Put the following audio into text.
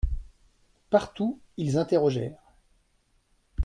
Partout ils interrogèrent.